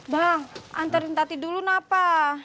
bang anterin tati dulu kenapa